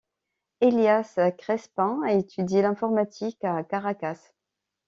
Elias Crespin a étudié l'informatique à Caracas.